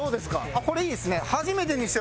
あっこれいいですね。